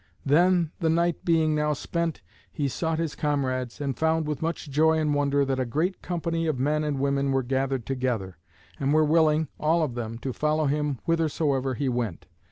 Then, the night being now spent, he sought his comrades, and found with much joy and wonder that a great company of men and women were gathered together, and were willing, all of them, to follow him whithersoever he went.